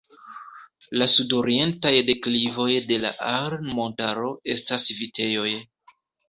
La sudorientaj deklivoj de la Ahr-montaro estas vitejoj.